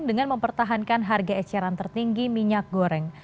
dengan mempertahankan harga eceran tertinggi minyak goreng